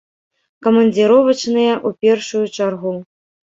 Камандзіровачныя ў першую чаргу!